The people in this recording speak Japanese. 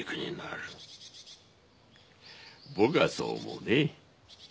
僕はそう思うね。